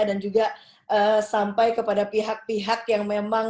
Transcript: dan juga sampai kepada pihak pihak yang memang berharga